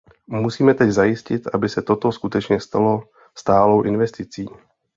Musíme teď zajistit, aby se toto skutečně stalo stálou investicí.